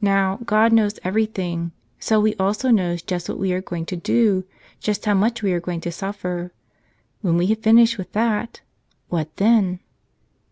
Now, God knows everything; so He also knows just what we are going to do, just how much we are going to suffer. When we have finished with that, what then?